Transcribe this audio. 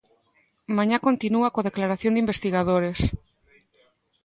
Mañá continúa coa declaración de investigadores.